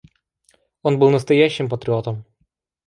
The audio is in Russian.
Он был настоящим патриотом.